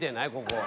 ここ」